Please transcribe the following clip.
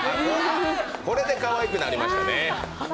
これで、かわいくなりましたね。